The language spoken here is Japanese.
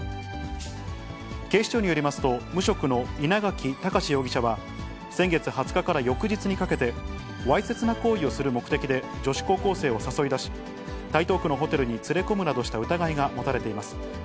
警視庁によりますと、無職の稲垣隆容疑者は、先月２０日から翌日にかけて、わいせつな行為をする目的で女子高校生を誘い出し、台東区のホテルに連れ込むなどした疑いが持たれています。